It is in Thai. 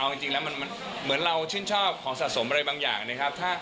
เอาจริงแล้วมันเหมือนเราชื่นชอบของสะสมอะไรบางอย่างนะครับ